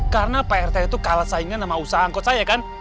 karena prt itu kalah saingan sama usaha angkot saya kan